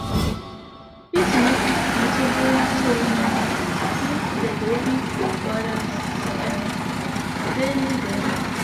His most notable touring was with the Doobie Brothers and Steely Dan.